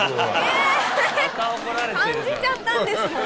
感じちゃったんですもん。